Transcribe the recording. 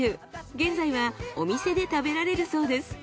現在はお店で食べられるそうです。